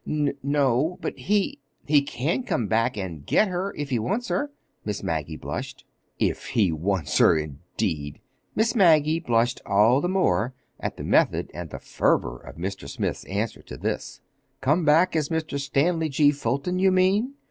"N no, but he—he can come back and get her—if he wants her." Miss Maggie blushed. "If he wants her, indeed!" (Miss Maggie blushed all the more at the method and the fervor of Mr. Smith's answer to this.) "Come back as Mr. Stanley G. Fulton, you mean?"